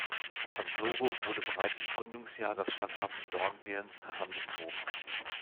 Als Logo wurde bereits im Gründungsjahr das Stadtwappen Dornbirns herangezogen.